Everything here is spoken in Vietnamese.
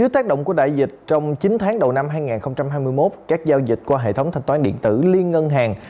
chín tháng đầu năm hai nghìn hai mươi một các giao dịch qua hệ thống thanh toán điện tử liên ngân hàng